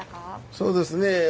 そうですね